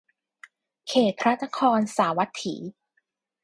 เขตพระนครสาวัตถี